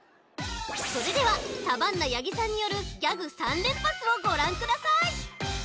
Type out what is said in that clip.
それではサバンナ八木さんによるギャグ３連発をごらんください！